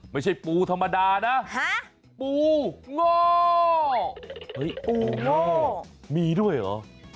ไม่ใช่ปูธรรมดานะปูง่อปูง่อมีด้วยเหรอ